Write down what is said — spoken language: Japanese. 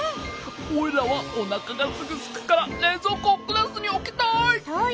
オイラはおなかがすぐすくかられいぞうこをクラスにおきたい！